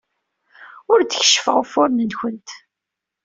Ur d-keccfeɣ ufuren-nwent.